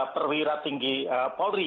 perwira tinggi polri